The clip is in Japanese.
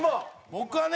僕はね